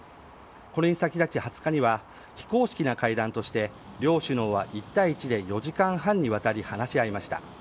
これに先立ち、２０日には非公式な会談として両首脳は１対１で４時間半にわたり話し合いました。